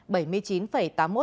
bảy mươi chín tám mươi một ha chuối